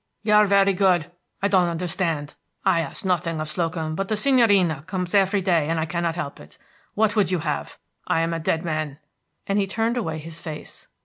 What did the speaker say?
"You are very good; I don't understand. I ask nothing of Slocum; but the signorina comes every day, and I cannot help it. What would you have? I'm a dead man," and he turned away his face.